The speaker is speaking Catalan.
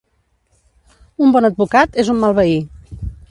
Un bon advocat és un mal veí.